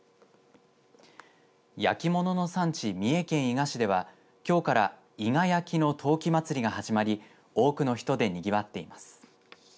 焼き物の産地、三重県伊賀市ではきょうから伊賀焼の陶器まつりが始まり多くの人でにぎわっています。